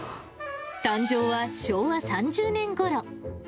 誕生は昭和３０年ごろ。